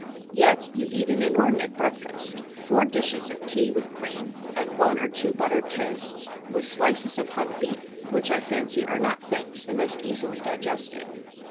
Yet you eat an inordinate breakfast, four dishes of tea with cream, and one or two buttered toasts, with slices of hung beef, which I fancy are not things the most easily digested.